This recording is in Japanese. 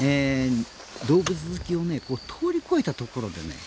動物好きを通り越えたところでね